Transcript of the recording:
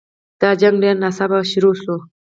دا جنګ ډېر ناڅاپه پیل شو.